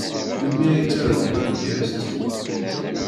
Melmi ay ttaruɣ tamedyazt?